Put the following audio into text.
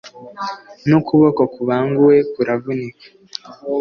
n’ukuboko kubanguwe kuravunika